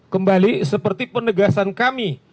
kembali seperti penegasan kami